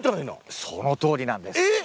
そのとおりなんです。